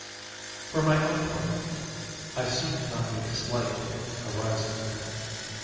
For my own part, I soon found a dislike to it arising within me.